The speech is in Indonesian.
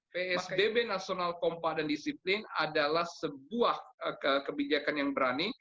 psbb nasional kompah dan disiplin adalah sebuah kebijakan yang berani